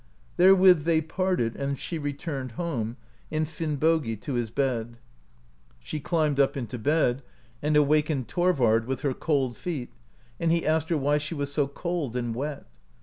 Therewith they parted, and she returned home, and Finnbogi to his bed. She climbed up into bed, and awakened Thorvard with her cold feet, and he asked her why she was so cold and wet.